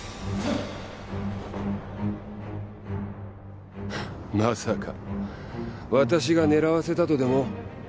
フッまさか私が狙わせたとでも？